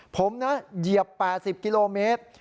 ผมนะเหยียบ๘๐กิโลเมตร